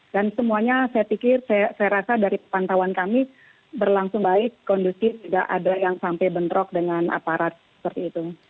dan semuanya saya pikir saya rasa dari pantauan kami berlangsung baik kondusif tidak ada yang sampai bentrok dengan aparat seperti itu